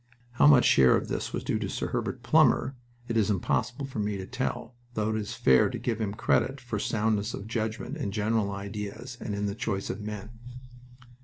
How much share of this was due to Sir Herbert Plumer it is impossible for me to tell, though it is fair to give him credit for soundness of judgment in general ideas and in the choice of men.